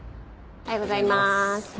おはようございます。